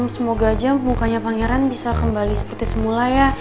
semoga aja mukanya pangeran bisa kembali seperti semula ya